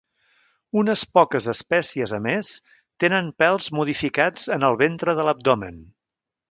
Unes poques espècies a més tenen pèls modificats en el ventre de l'abdomen.